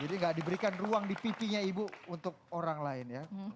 jadi enggak diberikan ruang di pipinya ibu untuk orang lain ya